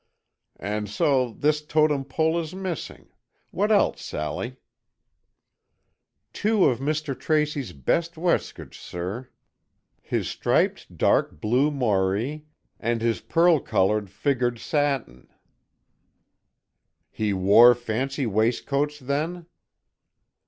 And so this Totem Pole is missing. What else, Sally?" "Two of Mr. Tracy's best weskits, sir! His striped dark blue morey, and his pearl coloured figgered satin." "He wore fancy waistcoats, then?"